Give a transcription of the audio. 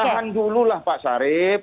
tahan dulu lah pak sharif